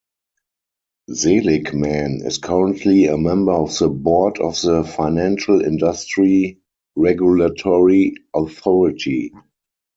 Seligman is currently a member of the board of the Financial Industry Regulatory Authority.